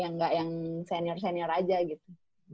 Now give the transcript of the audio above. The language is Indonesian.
jadi nggak yang senior senior aja gitu